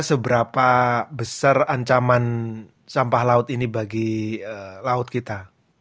seberapa besar ancaman sampah laut ini bagi laut kita